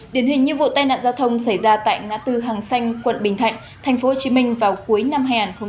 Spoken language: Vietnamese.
điển hình như vụ tai nạn giao thông xảy ra tại ngã tư hàng xanh quận bình thạnh tp hcm vào cuối năm hai nghìn hai mươi